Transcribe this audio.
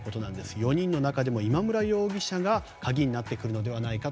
４人の中でも今村容疑者が鍵になってくるのではないかと。